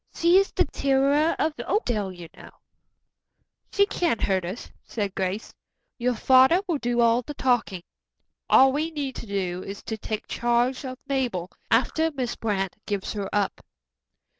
"She is the terror of Oakdale, you know." "She can't hurt us," said Grace. "Your father will do all the talking. All we need to do is to take charge of Mabel, after Miss Brant gives her up."